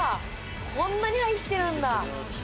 こんなに入ってるんだ。